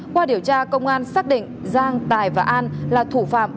qua điều tra công an xác định giang tài và an là thủ phạm